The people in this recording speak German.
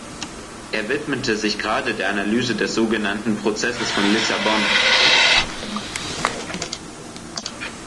Er widmete sich gerade der Analyse des so genannten Prozesses von Lissabon.